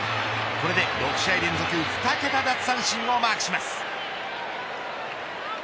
これで６試合連続２桁奪三振をマークします。